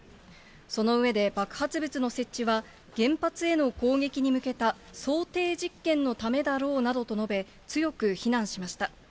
その上で、爆発物の設置は、原発への攻撃に向けた想定実験のためだろうなどと述べ、強く非難しました。